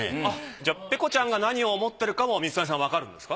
じゃあペコちゃんが何を思ってるかも水谷さんわかるんですか？